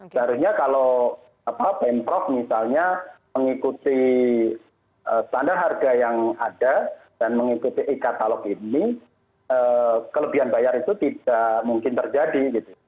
seharusnya kalau pemprov misalnya mengikuti standar harga yang ada dan mengikuti e katalog ini kelebihan bayar itu tidak mungkin terjadi